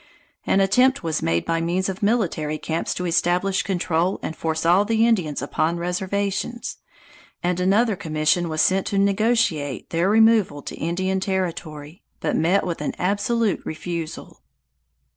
An attempt was made by means of military camps to establish control and force all the Indians upon reservations, and another commission was sent to negotiate their removal to Indian Territory, but met with an absolute refusal.